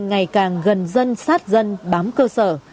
ngày càng gần dân sát dân bám cơ sở